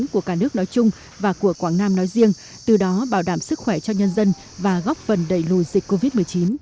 của cả nước nói chung và của quảng nam nói riêng từ đó bảo đảm sức khỏe cho nhân dân và góp phần đẩy lùi dịch covid một mươi chín